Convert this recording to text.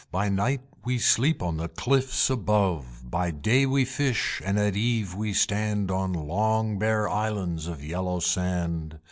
By night we sleep on the cliffs above; By day we fish, and at eve we stand On long bare islands of yellow sand.